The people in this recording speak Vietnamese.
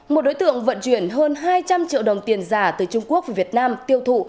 một đối tượng vận chuyển hơn hai trăm linh triệu đồng tiền giả từ trung quốc về việt nam tiêu thụ